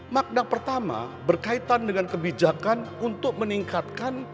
makna pertama berkaitan dengan kebijakan untuk meningkatkan